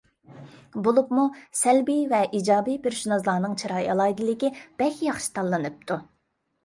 بولۇپمۇ سەلبىي ۋە ئىجابىي پېرسوناژلارنىڭ چىراي ئالاھىدىكى بەك ياخشى تاللىنىپتۇ.